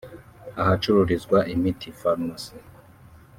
ahacururizwa imiti (Pharmacy)